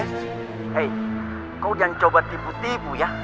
hei kau jangan coba tipu tipu ya